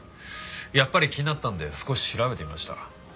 やっぱり気になったんで少し調べてみました。